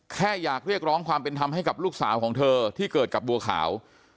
แค่อยากเรียกร้องความเป็นธรรมให้กับลูกสาวของเธอที่เกิดกับบัวขาว